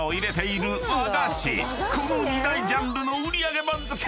［この２大ジャンルの売上番付］